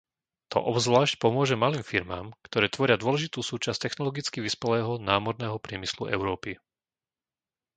To obzvlášť pomôže malým firmám, ktoré tvoria dôležitú súčasť technologicky vyspelého námorného priemyslu Európy.